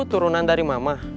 turunan dari mama